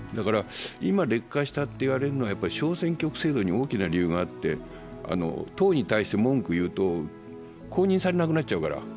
今、劣化したと言われるのは小選挙区制度に大きな問題があって、党に対して文句を言うと公認されなくなっちゃうから。